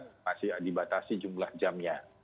masih dibatasi jumlah jamnya